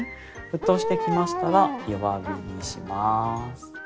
沸騰してきましたら弱火にします。